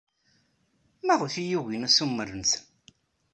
Maɣef ay ugint assumer-nsen?